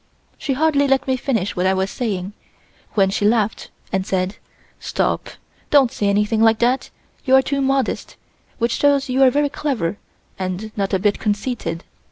She hardly let me finish what I was saying, when she laughed and said: "Stop! don't say anything like that; you are too modest, which shows you are very clever and not a bit conceited.